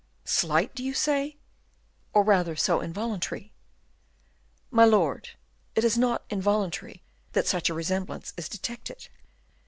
"Slight, do you say?" "Or rather, so involuntary." "My lord, it is not involuntarily that such a resemblance is detected."